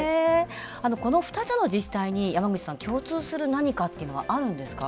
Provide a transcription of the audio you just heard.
この２つの自治体に山口さん共通する何かっていうのはあるんですか？